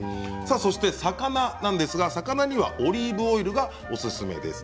そして、魚にはオリーブオイルがおすすめです。